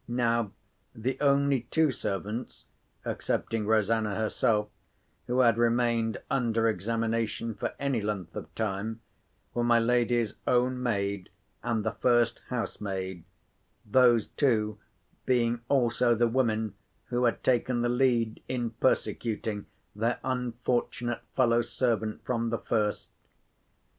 Now, the only two servants (excepting Rosanna herself) who had remained under examination for any length of time, were my lady's own maid and the first housemaid, those two being also the women who had taken the lead in persecuting their unfortunate fellow servant from the first.